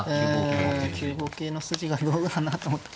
うん９五桂の筋がどうかなと思って。